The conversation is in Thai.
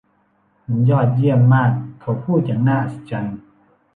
มันยอดเยี่ยมมากเขาพูดอย่างน่าอัศจรรย์